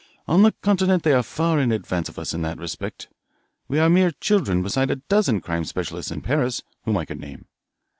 On the Continent they are far in advance of us in that respect. We are mere children beside a dozen crime specialists in Paris, whom I could name."